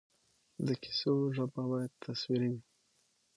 د کیسو ژبه باید تصویري وي.